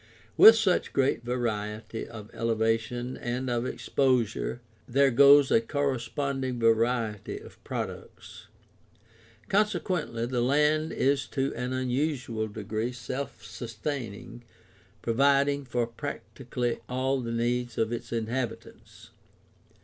With such great variety of elevation and of exposure there goes a corresponding variety of products; consequently the land is to an unusual degree self sustaining, providing for practically all the needs of its inhabitants.